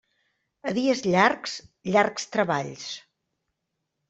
A dies llargs, llargs treballs.